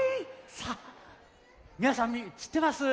さあみなさんしってます？